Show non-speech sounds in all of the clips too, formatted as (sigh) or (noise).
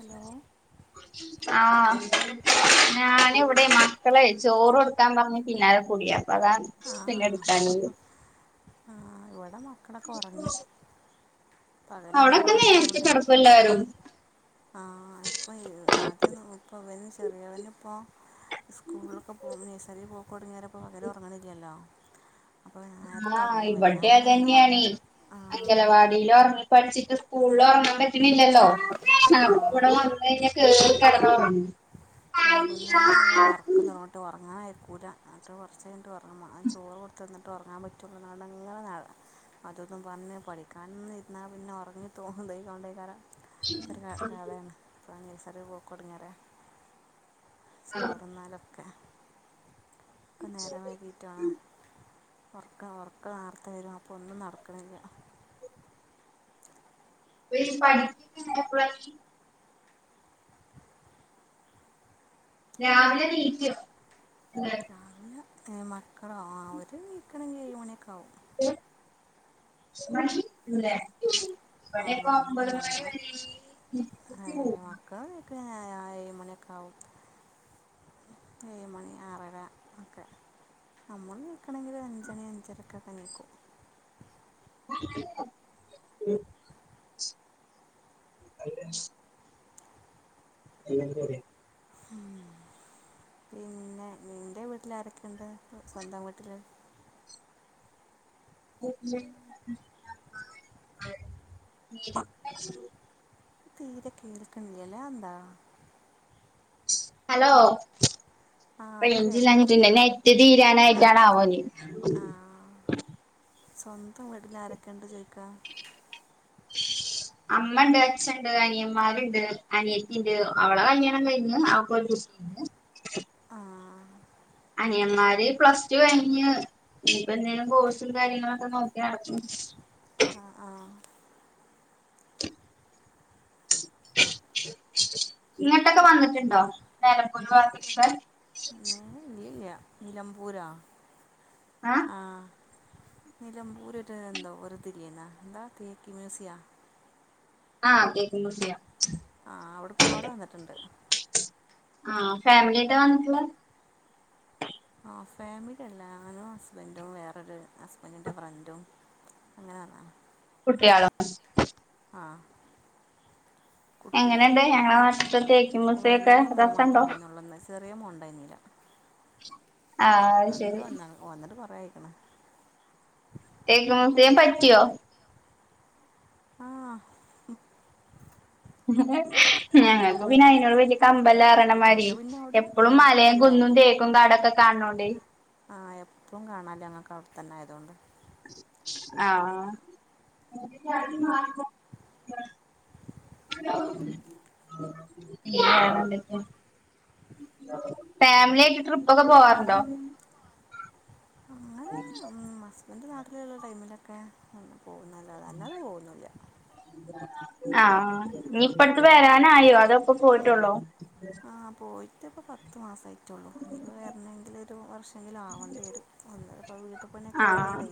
Hello ആഹ (unintelligible) ഞൻ ഇവിടെ മക്കളെ ചോറ് കൊടുക്കാൻ പറഞ്ഞ പിന്നാലെ കുടിയാ അതാ പിന്നെ എടുക്കണ ആ ഇവിടെ മക്കളൊക്കെ ഉറങ്ങി അവിടെക്കെ നേരെത്തെ കിടക്കും ല്ലാരും ആ ഇപ്പൊ ആദ്യന്ന ഇപ്പൊ ഇവർ ചെറിയവന് ഇപ്പോൾ സ്കൂളിലക്കെ പോവും നഴ്റിൽ പോ കൊടുങ്ങിയരപ്പോൾ പകല ഉറങ്ങലില്ല ഇല്ലല്ലോ ആ ഇവിടെ അത് തന്നെയണ ഉറക്കം ആഹ് അംഗലവാടിയിലർങ്ങ പഠിച്ചിട്ട് സ്കൂള ഒറങ്ങാൻ പറ്റണില്ലല്ലോ അപ്പ ഇവിടെ ആഹ് വന്ന് കഴിഞ്ഞൽ കേറി കെടന്നോറഗും വൈകുന്നേരം ആയാൽ ഉറക്കന്ന്റങ്ങോട്ട് ഉറങ്ങാനായിട്ട് കുല എന്നിട്ട് കുറച്ച് കഴിട്ട് ഉറങ്ങും ചോറ് കൊടുത്ത് വന്നിട്ട് ഉറങ്ങാൻ പറ്റുള്ളൂ എന്നടങ്ങനെ നട അത അതും ഇതും പറഞ്ഞ് പഠിക്കാ ഇരുന്നാൽ പിന്നെ ഉറങ്ങി ത്തു ഇതായികേണ്ടേക്കാര ഒക്കെ ഒരു കഥണ് ഇപ്പ നെയ്‌സറി പോക്കടുങ്ങാര ചോറന്നാലൊക്കെ ഇപ്പ നേരം വൈകിട്ടണ് ഉർക്ക ഉറക്കനർത്തെ വരും അപ്പൊ ഒന്നും നടക്കണില്ല അപ്പ യി പഠിക്ക്ണ്ടാ യെപ്പളടി രാവിലെണീക്കെ എന്തേ രാവിലെ മക്കളോ അവർ ണീക്കണെങ്കിൽ ഏഴുമണിയൊക്കാകും (unintelligible) മടില്ലേ ആ ഇബടെയൊക്കൊൻപത് ഞങ്ങൾ മണിവരീം (unintelligible) പോവും (unintelligible) ഏഴ്മണിയൊക്കാകും ഏഴ്മണി ആറര ഒക്കെ നമ്മളെണീക്കണെങ്കില് അഞ്ച്മണി അഞ്ചക്കൊക്കെ ണീ ക്കും (unintelligible) ഉ (unintelligible) (unintelligible) അ പിന്നെ നിന്റെ വീട്ടിലാരൊക്കെയുണ്ട് സ്വന്തം വീട്ടില് (unintelligible) തീരെ കേൾക്കണില്ലാല്ലെ അതെന്താ ഹലോ ആ ഇപ്പോൾ കേട്ടു റേഞ്ചില്ലാഞ്ഞിട്ട് ന്റെനെറ്റ്തീർന്ന് കഴിയാനായിട്ടാവോനി സ്വന്തംവീട്ടിൽ ആരൊക്കെണ്ട് ചോയിക്കാ അമ്മണ്ട് അച്ഛൻണ്ട് അനിയമ്മാരുണ്ട് അനിയത്തിണ്ട് അവളെ കല്യാണംകയിഞ്ഞ് അവക്കൊരു കുട്ടി പിന്നെ ആ അനിയമ്മാര് പ്ലസ് ടു കഴിഞ്ഞ് ഇനിയിപ്പെന്തെങ്കിലും കോഴ്സും കാര്യങ്ങളൊക്കെ നോക്കിനടക്കും ആ-ആ (inaudible) ഇങ്ങട്ടൊക്കെ വന്നിട്ടുണ്ടോ നെലമ്പൂര് ഭാഗത്തിക്കൊക്കെ ഇല്ല നിലമ്പൂരാ ആ നിലംമ്പൂര്ഒരു എന്താ ഒരിത് ല്ലേന്നാ എന്താ തെക്ക് മ്യൂസിയാ ആ തെക്ക് മ്യൂസിയം ആ അവിക് അവിടെ വന്നിട്ടുണ്ട് ആ ഫാമിലിയായിട്ടാ വന്നിട്ടുള്ളത് ഫാമിലിയല്ല ഞാനും ഹസ്ബന്റും വേറൊരു ഹസ്ബന്റിൻ്റെ ഫ്രണ്ടും അങ്ങനെവന്നാ കുട്ടികളോ ആ എങ്ങനെണ്ട് കുട്ടികള്ന്ന് ഞങ്ങളെ പറയാൻ നാട്ടിത്തെ തേക്ക് മ്യൂസിയൊക്കെ വല്യമോൻ രസണ്ടോ മാത്രോണ്ടായിരുന്നുള്ളന്ന് ചെറിയ മോൻ ണ്ടായിരുന്നില്ല ആ അത്ശെരി വന്നതാണ് (unintelligible) തേക്കവനെന്തേം പറ്റിയോ ആഹ് മം ഹി-ഹി-ഹി ഞങ്ങക്ക് പിന്നെ അയിനോട് വലിയ കമ്പല്ലാറയണമാതിരി നിങ്ങൾക്ക് പിന്നെ അവിടെ നിങ്ങളെ എപ്പളും മലയും അടുത്തല്ലേ കുന്നും തേക്കും കാടൊക്കെ കാ കാണ്ണോണ്ട് ഇപ്പളും കാണാല്ലേ നിങ്ങക്കവിടെത്തന്നായതുകൊണ്ട് ആഹ് വേറെ എന്തൊക്കെ ഫാമിലിയായിട്ട് ട്രിപ്പൊക്കെ പോവാറുണ്ടോ അങ്ങനെ അ ഹസ്ബൻഡ് നാട്ടിലുള്ള ടൈമിലൊക്കെ ങ്ങനെപോവുന്നല്ലാതെ അല്ലാതെ പോകൊന്നില്ല ആ ഇനി ഇപ്പടുത്ത് വരാനായോ അതൊപ്പോ പോയിട്ടുള്ളോ അഹ് പോയിട്ട് ഇപ്പം പത്ത് മാസായി റ്റുള്ളൂ ഇനിയിപ്പോ വരണെങ്കിൽ ഒരു വർഷമെങ്കിലും ആവേണ്ടി വരും വന്നത് അപ്പോ വീട്ടിൽ പണിയൊക്കെ ആഹ് ആയതുണ്ടേ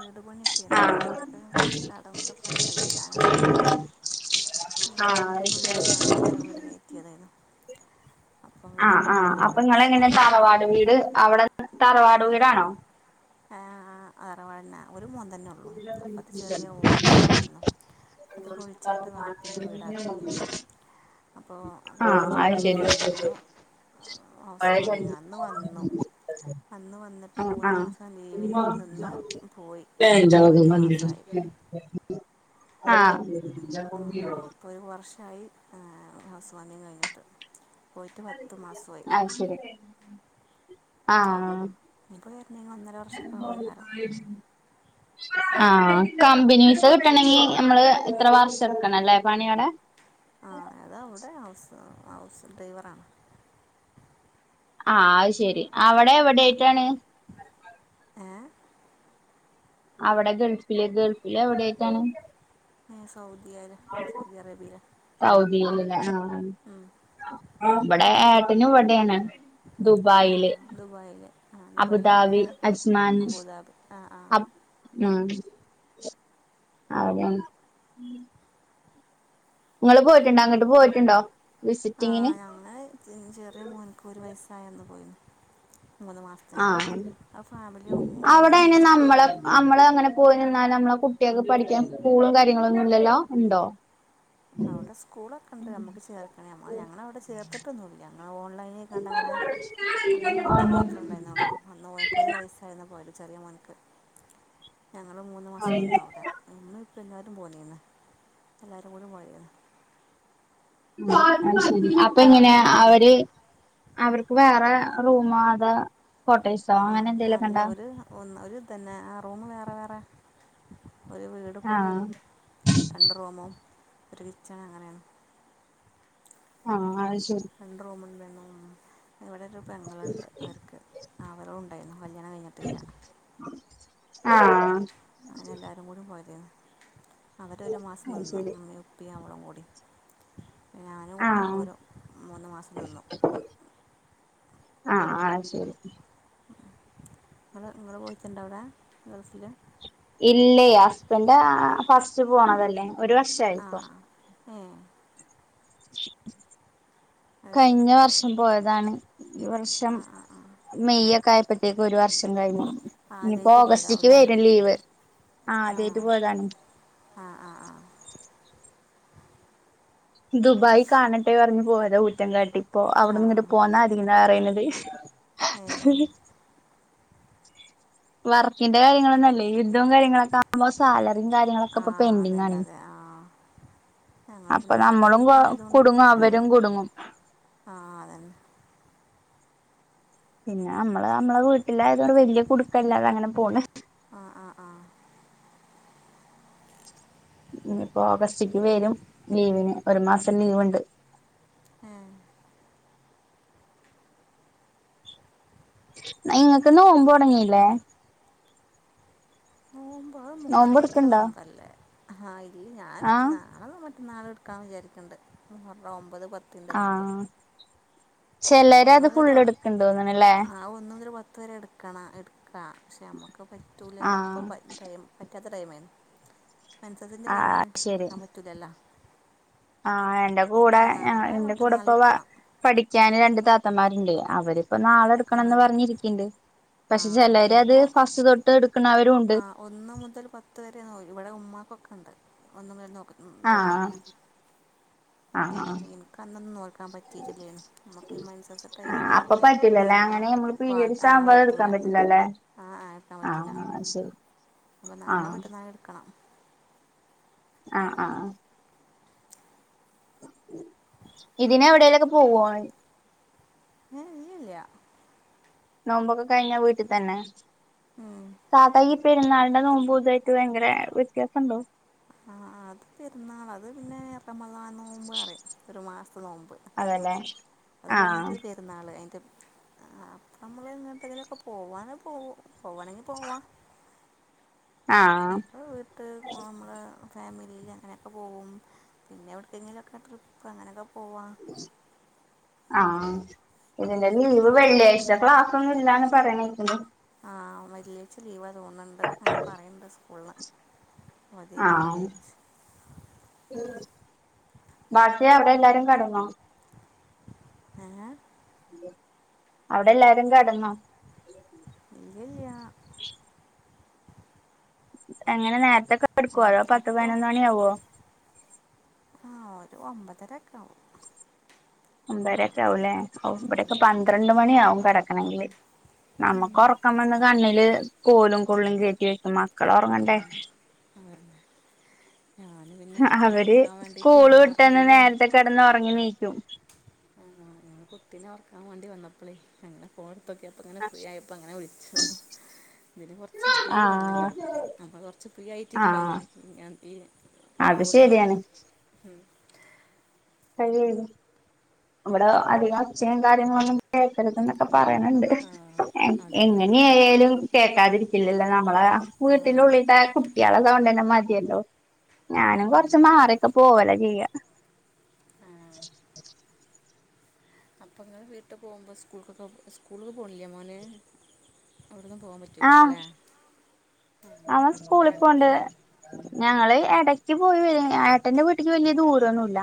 വീട് പണിയൊക്കെയണ് അപ്പ ആഹ് അതിന്റെൊക്കെ കുറച്ച് കടം ഇതൊക്കെ ഉണ്ട് വീടാനൊക്കെ ഞങ്ങെ ആഹ് വീട് അത് ശരി പൊളിച്ചു കാണ്ട് വേറെ വീട് കയറ്റിയതായിരുന്നു അപ്പോൾ ആ വീട് ആ അപ്പൊ നിങ്ങൾ ഹൗസ് എങ്ങനെ വാമിൻ്റെ താറവാട് വീട് അവിടെ തറവാട് വീടാണോ ആ ആ അറവാന്ന ഒരു മോനെതന്നെ ഉള്ളു അപ്പം അത് ചെറിയ ഓടിട്ട് വിടയിരുന്നു അപ്പോ കഴിഞ്ഞ ആഹ് അത് ജൂൺ ശരി ഒന്നിനായിരുന്നു ഹൗസ് വാമിംഗ് അന്ന് വന്നു അ അന്ന് വന്നിട്ട് ആഹ് മൂന്ന് ആഹ് മാസം ലീവിന് നിന്ന് പോയി പോയിട്ട് പത്ത് മാസമായി ആ (unintelligible) ചൈ ഹൗസ് വാർമിംഗ് കഴിഞ്ഞിട്ട് പോയിട്ട് പത്ത് മാസമായി അ ശരി ആ ഇപ്പോൾ വരണമെങ്കിൽ ഒന്നര വർഷമൊക്കെ ആവും കാരണം ആ കമ്പനീസ് കിട്ടണങ്കി നമ്മള് ഇത്ര വർഷം എടുക്കണല്ലേ പണിയടെ ആ അതാ അവിടെ ഹൗസ് ഹൗസ് ഡ്രൈവറാണ് ആ അത് ശെരി അവിടെ ആ എവിടൊയിട്ടാണ് ഏ അവിടെ ഗൾഫില് ഗൾഫില് ഇവിടെയിട്ടാണ് സൗദിയിൽ സൗദി അറേബ്യയിൽ സൗദിൽ ലെ ഇവിടെ ഏ ട്ടൻ ഇവിടെയാണ് ആ ദുബായില് ദുബായിൽ ആ ദുബായിൽ എവിടെ അബുദാബി അജ്മാൻ അബുദാബി ആ ആ അ അഹ് (unintelligible) നിങ്ങള് പോയിട്ടുണ്ടോ അങ്ങട്ട് പോയിട്ടുണ്ടോ ആ വിസിറ്റിങ്ങിന് ഞങ്ങൾ ചെറിയ മോന്ക് ഒരു വയസായപ്പോ പോയിൻ ആ ആ ഫാമിലി അവിടെ അയിന് ഒരുമിച്ച് നമ്മൾ പോയത് നമ്മൾ അങ്ങനെ പോയി നിന്നാൽ നമ്മളെ കുട്ടികക്ക് പഠിക്കാൻ സ്കൂളും കാര്യങ്ങളും ഇല്ലല്ലോ ഉണ്ടോ അവിടെ സ്കൂള ഒക്കെ ഉണ്ട് നമ്മുക്ക് ചേർക്കണേ ഞങ്ങൾ അവിടെ ചേർത്തിട്ടൊന്നുല്ല ഓൺലൈനിക്കാണ്ട്ങ്ങനെ അന്ന് മൂത്തോന് മാത്ര ഉണ്ടായിരുന്നുേള്ളൂ അന്ന് ഓനിക് ഒരു വയസ് (unintelligible) പോയത് ചെറിയ മോൻക് ഞങ്ങൾ മൂന്ന് മാസം നിന്നു അവിടെ (unintelligible) അപ്പോ എല്ലാരും പോന്നിന്ന് എല്ലാരും കൂടി പോയി അതുശേരി ഉമ്മയും അപ്പ എങ്ങനെ ഉപ്പയൊക്കെ അവര് അവർക്ക് വേറെ റൂമോ അതോ കോട്ടേസോ ആ അങ്ങനെ എന്തെലുക്കെ അല്ല ഉണ്ട ഒരു ഒന്ന് ഒരു തന്നെ ആ റൂം വേറെ വേറെ ഒരു വീട് ആഹ് പോലെണ് രണ്ട് റൂമും ഒരു കിച്ചൺ അങ്ങനെയാണ് ആഹ് അത് ശരി രണ്ടു റൂമും വെ ഇവിടൊരു പെങ്ങളുണ്ട് അവർക്ക് അവളുണ്ടായിരുന്നു കല്യാണം കഴിഞ്ഞിട്ടില്ല ആ ആ എല്ലാരും കൂടി പോയതെന്നു അവര് ഒരു മാസം അത് നിന്നു ശരി ഉമ്മയും ഉപ്പയും അവളും കൂടി ഞാനും ആ കുട്ടികളും ഒരു മൂന്ന് മാസം നിന്നു ആ ആ ശരി നിങ്ങൾ നിങ്ങള് പോയിട്ടുണ്ടോ അവിടെ ഗൾഫില് ഇല്ലെ ഹസ്ബൻഡാ ഫസ്റ്റ് പോണതല്ലേ ഒരു ആ വർഷയിപ്പോ ഏ അത് കഴിഞ്ഞ ശരി വർഷം പോയതാണ് ഈ വർഷം ആ ആ ആ മെയ് ഒക്കെ ആയപ്പോത്തേക്ക് ഒരു വർഷം കഴിഞ്ഞു ഇനിയിപ്പോ ആദ്യമായിട്ട് പോയതാവും ഓഗസ്റ്റക്ക് അല്ലേ വരും ലീവ് ആ ആദ്യായിട്ട് പോയതാണ് ആ ആ ആ ദുബായി കാണട്ടെ പറഞ്ഞു പോയത ഊറ്റകാട്ടി ഇപ്പോ ആ അവിടെന്ന്ങ്ങട്ട് പോന്നതീന്നാ പറയുന്നെ ഏ വർക്കിന്റെ കാര്യങ്ങളൊന്നല്ലേ ഇ ഡും കാര്യങ്ങളൊക്കെ ആവുമ്പോ സാലറിം ആ കാര്യങ്ങളൊക്കെപ്പ ഇപ്പൊ അതന്നെ പെന്ഡിങ്ങാണെ അതെ ആ ഞങ്ങൾ അപ്പൊ പിന്നെ നമ്മളും കൊ സൗദിക്കായതുകൊണ്ട് കുടുങ്ങും അവരും കുടുങ്ങും ആഹ് അതന്നെ പിന്നെ നമ്മള് നമ്മളെ വീട്ടിലായതോണ്ട് വല്ല്യ കുടുക്കല്ലാതെങ്ങനെ പോണ് ആ ആ ആ ഇനിപ്പോ ഓഗസ്റ്റക്ക് വരും ലീവിന് ഒരു മാസം ലീവ്ണ്ട് ആ ഇങ്ങക്ക് നോമ്പൊട്ങ്ങില്ലേ നോമ്പോ ആഹ് നോമ്പ് മുഹറത്തിെലെ എടുക്കണ്ടോ നോമ്പല്ലേ ആ ഇല്ല ഞാൻ ആഹ് നാളങ് മ നാളടുക്കാന്ന് വിചാരിക്ക്ണ്ട് മുഹറം ഒമ്പത് പത്തിന്റെ നോമ്പ് ചെലര് ഒന്ന് അത് മുതൽ തുട ഫുള്ളടുക്ക്ണ്ട് തോന്ന്ണല്ലേ ആ ഒന്ന് മുതൽ പത്ത് വരെ എടുക്കണം എടുക്ക പക്ഷെ നമുക്ക് പറ്റൂലല്ലോ അപ്പ ആഹ് പ ടൈം പ റ്റാത്ത ടൈമായിണ് മെൻസസിന്റെ ടൈമ് ആഹ് ശരി എടുക്കാൻ പറ്റൂലല്ലൊ ആഹ് എന്റെ കൂടെ നാളെ എന്റെ കൂടെ മറ്റന്നാൾ ഇപ്പൊ വ എടുക്കണം പഠിക്കാന് രണ്ട് താ ത്തമാരുണ്ട് അവരിപ്പ നാളെ എടുക്കണന്ന് പറഞ്ഞിരിക്ക്ണ്ട് ആഹ് എനിക്കൊ എടുക്കണവരും ഉണ്ട് ആഹ് ഒന്ന് മുതൽ പത്ത് വരെ നോല് ഇവിടെ ഉമ്മാക്കൊെക്ക ണ്ട് ഒന്നു മുതല് നോക്ക ഉം ആഹ് തൊടങ്ങിയിക്ക്ണ് ആഹ് ആഹ് പിന്നെ ഇന്ക്ക് അന്നൊന്നും നോൽക്കാൻ പറ്റീട്ടില്ലേരുന്നു നമുക്ക് മെൻസസ് ടൈമില് നോല്ക്കാ ഞമ്മള് പിരീഡ് സമയെടുക്കാൻ പറ്റില്ലല്ലെ ആഹ് ശരി അപ്പൊ നാളെ ആഹ് മറ്റന്നാളെ എടുക്കണം ആഹ് ആഹ് ആ ഇതിനെ എവിടേലൊക്കെ പോവ്വോ അ ഏ ഇല്ലല്ല നോമ്പൊക്കെ കഴിഞ്ഞ വീട്ടിതന്നെ ഉം പെരുന്നാളിന്റെ നോമ്പ് ഇതായിട്ട് ഭയങ്കര വ്യത്യാസണ്ടോ ആ അത് പെരുന്നാള് അത് പിന്നെ റമളാന് നോമ്പ്അറിം ഒരു മാസ ത്തെ നോമ്പ് അതല്ലേ അത് ആഹ് കഴിഞ്ഞിട്ട് പെരുന്നാള് അയിൻ്റെ ആ അപ്പമ്മള് ഇങ്ങന്തെങ്കിലൊക്കെ പോവാന് പോ പോവാണെങ്കി പോവാ ആഹ് അപ്പൊ വീട്ട പോവാ മ്മളെ ഫാമി യില് അങ്ങനെയൊക്കെ പോകും പിന്നെ എവിടുക്കെങ്കിലൊക്കെ ട്രിപ്പ് അങ്ങനെയൊക്കെ പോവാ ആഹ് ഇതിന്റെ ലീവ് വെള്ളിയാഴ്ച ക്ലാസ് ഒന്നും ഇല്ലാന്ന് പറയ്ണേക്ക്ണ്ട് ആ വെള്ളിയായ്ച ലീവാ തോന്നുണ്ട് അങ്ങനെ പറയണ്ട് സ്കൂളിന്ന് അതേക്കാരം ആഹ് ബാഷയ അവിടെ എല്ലാരും കടന്നോ ആ ഔടെ എല്ലാരും കടന്നൊ ഇല്യ എങ്ങനെ നേരത്തെൊക്കെ എടുക്കുവ ഉം, അതോ പത്ത് അപ്പോൾ പതിനൊന്ന് മണിയാവോ ആ ഒരു ഒമ്പതരക്കെ ആവും ഒമ്പരൊക്കെ ഒമ്പത് ആവുല്ലേ ഔ ഇവിടെക്കെ പന്ത്രണ്ട് മണിയാവും കെടക്കണെങ്കില് നമ്മുക്ക് ഉറക്കം വന്ന് കണ്ണില് കോലും കൊള്ളും കേറ്റി വെക്കുമ മക്കളോറങ്ങണ്ടേ ഉം. ഞാൻ പിന്നെ കുട്ടീനെ അവര് ഉറക്കാൻ വേണ്ടിയിട്ട് സ്കൂള് വന്ന വിട്ടന്ന് ഇതില് നേരത്തെ കിടന്ന് ഉറങ്ങി നീക്കും ആ ഞൻ കുട്ടീനെ ഓർക്കാൻ വേണ്ടി വന്നപ്പോളെ അങ്ങനെ പോ ഇപ്പൊക്കെ അപ്പോ ഇങ്ങനെ ഫ്രീ ആയപ്പോൾ അങ്ങനെ വിളിച്ചത ഇതിന് കൊറച്ച് പ്രീ ആഹ് വേണല്ലോ നമ്മ കൊറച്ച് പ്രീ ആഹ് ആയിട്ടിരിക്കണ്ടേ ഈ അത് ശരിയാണ് ഉം ക അവിടെ അധികം ഒച്ചയും കാര്യങ്ങളൊന്നും കേക്കരുതൊക്കെ പറയണണ്ട് ആ അതന്നെ എങ്ങനെയായാലും കേക്കാതിരിക്കില്ലല്ലോ നമമ നമ്മളെ ആ വീട്ടിലുള്ളിട്ട കുട്ടികള സൗണ്ടാ ന്നെ മതിയല്ലോ ഞാനും കൊറച്ച മാറിയൊക്കെ പോവല ചെയ്യാ അപ്പങ്ങെ വീട്ടു പോകുമ്പോ സ്കൂളൊക്കെ സ്കൂള പോണില്ല മോന അവിടന്നും പോവാൻ പറ്റൂലേ ആ സ്കൂളിപ്പോണ്ട് ഞങ്ങള് എടയ്ക്ക് പോയി ഏട്ടന്റെ വീട്ടിക്ക് വലിയ ദൂരൊന്നുല്ല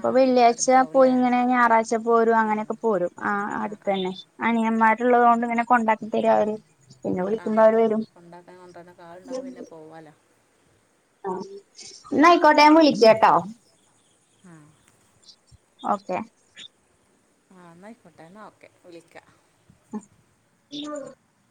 ആ വെള്ളിയാഴ്ച അടുത്താവും പോയി അല്ലേ ഇങ്ങനെ ഞായറാഴ്ച്ച പോരും ആ അങ്ങനെയൊക്കെ പോരും ആ അടുത്ത തന്നെ അണിയന്മാർ ള്ളത കൊണ്ട് ഇങ്ങനെ കൊണ്ടാക്കി തര അവര് പിന്നെ വിളിക്കുമ്പോ അവര് വരും ണ്ടര ക ആളുണ്ടാവുമ്പൊൾ പിന്നെ പോവാലോ ന്ന ആയിക്കോട്ടെ ഞൻ വിളിക്കാം ട്ടോ ആ ഓക്കെ ആ എന്ന അയിക്കൊട്ടെ എന്നാ ഓക്കെ വിളിക്കാ (inaudible)